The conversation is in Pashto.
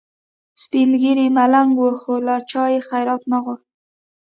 سپین ږیری ملنګ و خو له چا یې خیرات نه غوښت.